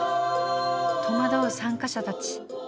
戸惑う参加者たち。